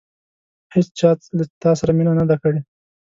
هېڅچا له تا سره داسې مینه نه ده کړې.